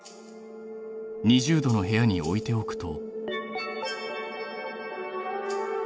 ２０℃の部屋に置いておくと。